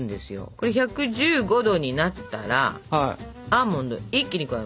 これ１１５℃になったらアーモンドを一気に加えます。